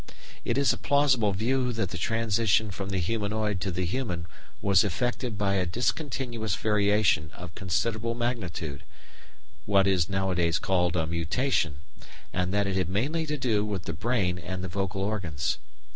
It is a plausible view that the transition from the humanoid to the human was effected by a discontinuous variation of considerable magnitude, what is nowadays called a mutation, and that it had mainly to do with the brain and the vocal organs.